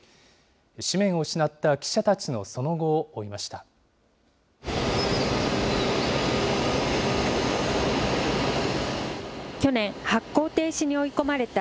紙面を失った記者たちのその後を追いました。